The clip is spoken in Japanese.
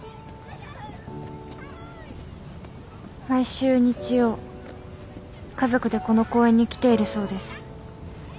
毎週日曜家族でこの公園に来ているそうです。